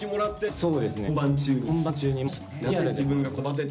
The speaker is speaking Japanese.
そうですね